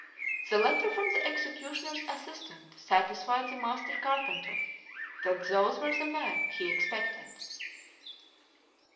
The letter from the executioner's assistant satisfied the master carpenter that those were the men he expected.